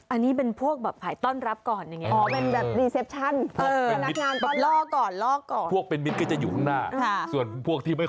อันนี้เป็นพวกแบบขายต้อนรับก่อนอย่างนี้